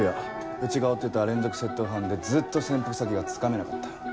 うちが追ってた連続窃盗犯でずっと潜伏先がつかめなかった。